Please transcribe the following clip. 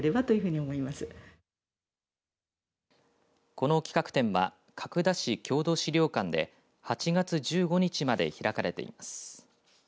この企画展は角田市郷土資料館で８月１５日まで開かれています。